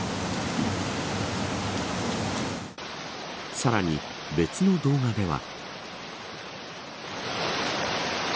さらに、別の動画では。